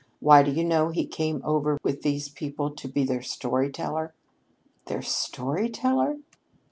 Why, do you know, he came over with these people to be their story teller!" "Their story teller?"